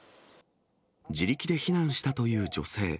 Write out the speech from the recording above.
自力で避難したという女性。